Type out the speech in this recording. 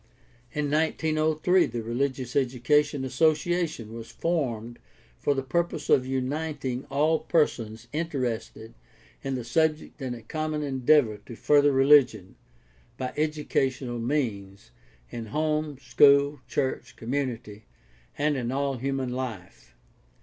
In 1903 the Religious Education Association was formed for the purpose of uniting all persons interested in the subject in a common endeavor to further religion, by educational means, in home, school, church, community, and in all human life.